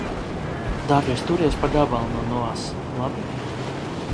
Dārgais, turies pa gabalu no Noas, labi?